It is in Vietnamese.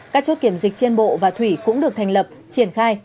các chốt kiểm dịch trên bộ và thủy cũng được thành lập triển khai